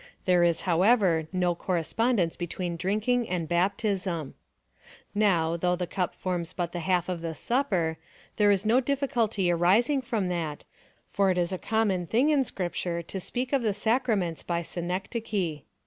There is, however, no correspondence between drinking and baptism. Now, though the cup forms but the half of the Supper, there is no difficulty arising from that, for it is a common thing in Scrip ture to speak of the sacraments by synecdoche.